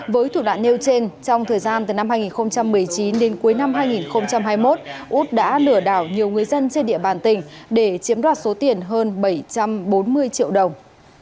với thủ đoạn nêu trên trong thời gian từ năm hai nghìn một mươi chín đến cuối năm hai nghìn hai mươi một út đã lừa đảo nhiều người dân trên địa bàn tỉnh để chiếm đoạt số tiền hơn bảy trăm bốn mươi triệu đồng